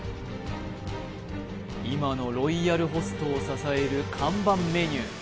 今のロイヤルホストを支える看板メニュー